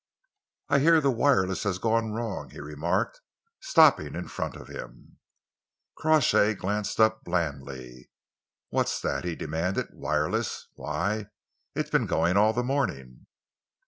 "I hear the wireless has gone wrong," he remarked, stopping in front of him. Crawshay glanced up blandly. "What's that?" he demanded. "Wireless? Why, it's been going all the morning."